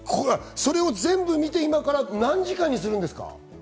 それを全部見て、今から何時間にするんですか？